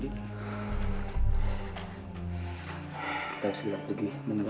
kita harus cepat pergi menolong dia dit